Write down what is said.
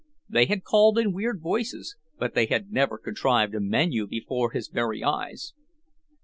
They had called in weird voices but they had never contrived a menu before his very eyes.